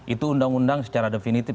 itu undang undang secara definitif